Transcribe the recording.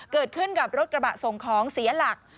เกิดขึ้นกับรถกระบะส่งของเสียหลัก